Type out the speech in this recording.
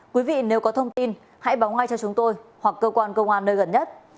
quý vị nếu có thông tin hãy báo ngay cho chúng tôi hoặc cơ quan công an nơi gần nhất